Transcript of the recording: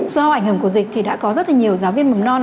do ảnh hưởng của dịch thì đã có rất là nhiều giáo viên mầm non